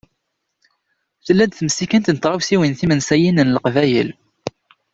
Tella-d temsikent n tɣawsiwin timensayin n Leqbayel.